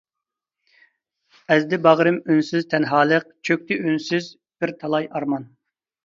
ئەزدى باغرىم ئۈنسىز تەنھالىق، چۆكتى ئۈنسىز بىر تالاي ئارمان.